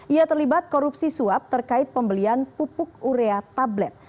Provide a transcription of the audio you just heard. ia terlibat korupsi suap terkait pembelian pupuk urea tablet